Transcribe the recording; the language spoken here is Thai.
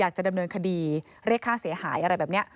อยากจะดำเนินคดีเรียกค่าเสียหายอะไรแบบนี้